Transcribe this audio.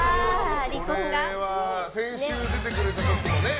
これは、先週出てくれた時もね。